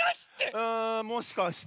あもしかして。